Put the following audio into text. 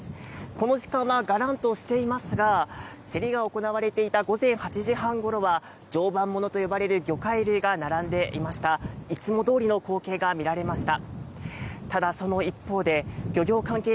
この時間はがらんとしていますが競りが行われていた午前８時半ごろは常磐ものと呼ばれる魚介類が並んでいましたいつもどおりの光景が見られました